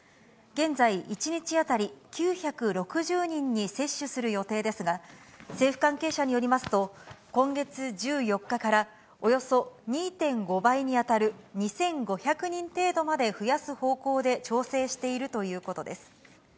現在１日当たり９６０人に接種する予定ですが、政府関係者によりますと、今月１４日から、およそ２．５倍に当たる２５００人程度まで増やす方向で調整しているということです。